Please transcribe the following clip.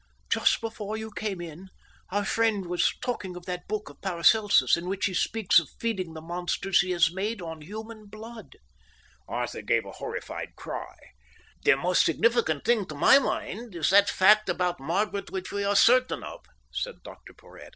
"Just before you came in, our friend was talking of that book of Paracelsus in which he speaks of feeding the monsters he has made on human blood." Arthur gave a horrified cry. "The most significant thing to my mind is that fact about Margaret which we are certain of," said Dr Porhoët.